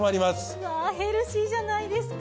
うわヘルシーじゃないですか。